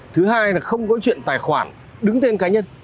thứ hai là không có chuyện tài khoản đứng tên cá nhân